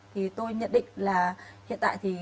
thì tôi nhận định là hiện tại